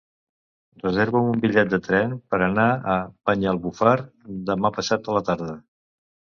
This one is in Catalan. Reserva'm un bitllet de tren per anar a Banyalbufar demà passat a la tarda.